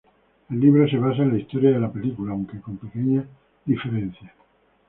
El libro se basa en la historia de la película, aunque con pequeñas diferencias.